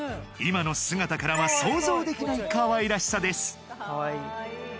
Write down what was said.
今の姿からは想像できないかわいらしさです